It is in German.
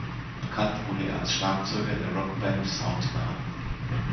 Bekannt wurde er als Schlagzeuger der Rockband Soundgarden.